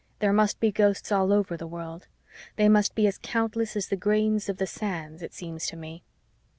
There must be ghosts all over the world. They must be as countless as the grains of the sands, it seems to me.